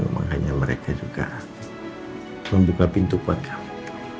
makanya mereka juga membuka pintu kuat kamu